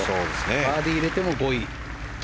バーディー入れても５位。